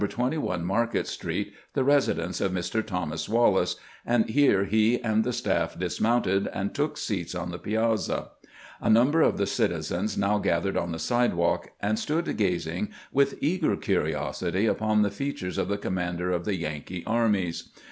21 Market street, the residence of Mr. Thomas Wallace, and here he and the staff dismounted 29 449 450 CAMPAIGNING WITH GRANT and took seats on tlie piazza. A number of the citizens now gathered on the sidewalk, and stood gazing with eager curiosity upon the features of the commander of the Yankee armies.